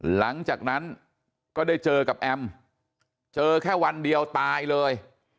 หลังจากนั้นก็ได้เจอกับแอมเจอแค่วันเดียวตายเลย